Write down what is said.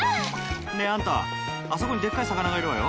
ねえあんたあそこにでっかい魚がいるわよ。